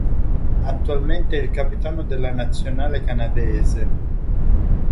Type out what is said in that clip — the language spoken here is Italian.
Attualmente è il capitano della nazionale canadese.